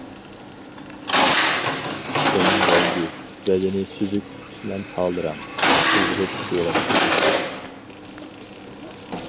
ئۇنىڭ رەڭگى، بەدىنى سۈزۈك قىسمەن ھال رەڭ، قىزغۇچ سېرىق.